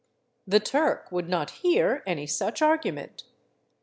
The *' Turk " would not hear any such argument.